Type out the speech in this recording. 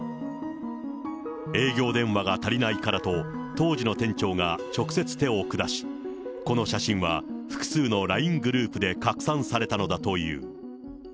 営業電話が足りないからと、当時の店長が直接手を下し、この写真は複数のＬＩＮＥグループで拡散されたのだという。